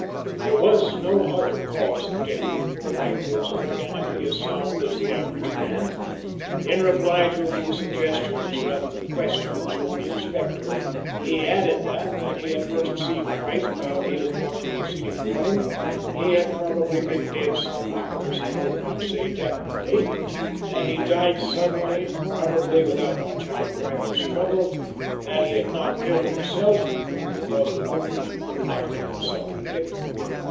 There was no other cause of death, for White was organically as sound as the average man. In reply to a few suggestions rather than questions from the Inspector, he added that, when he had first seen White about eight o'clock the preceding morning, he had probably been dead some hours, he could not say definitely; that he died suddenly, probably without much outcry or struggle; that he had not killed himself, because the wound could not have been self inflicted.